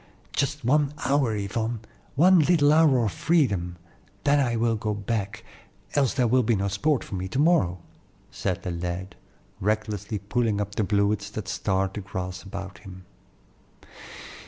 Just one hour, Yvonne, one little hour of freedom, then I will go back, else there will be no sport for me to morrow," said the lad, recklessly pulling up the bluets that starred the grass about him.